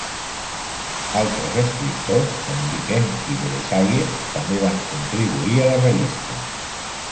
Altres escriptors com Vikenty Veresayev també van contribuir a la revista.